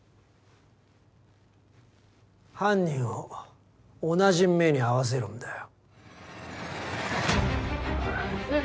犯人を同じ目に遭わせるんだよ。